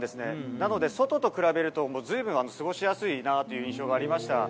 なので、外と比べると、もうずいぶん過ごしやすいなという印象がありました。